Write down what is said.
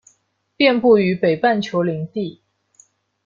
遍布于北半球林地。